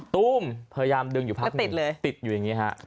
ตู้มพยายามดึงอยู่ภาคหนึ่งติดอยู่อย่างนี้ฮะ